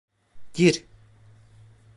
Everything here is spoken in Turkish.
Gir!